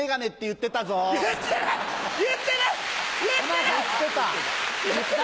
言ってたな。